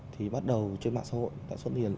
thì bắt đầu trên mạng xã hội